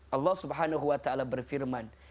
allah swt berfirman